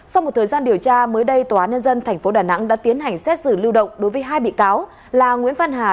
sau một thời gian điều tra mới đây tòa án nhân dân tp đà nẵng đã tiến hành xét xử lưu động đối với hai bị cáo là nguyễn văn hà